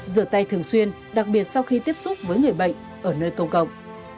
rửa tay thường xuyên đặc biệt sau khi tiếp xúc với người bệnh ở nơi công cộng